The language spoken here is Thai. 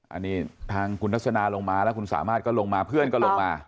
อันนี้ทางคุณทัศนาลงมาแล้วคุณสามารถก็ลงมาเพื่อนก็ลงมา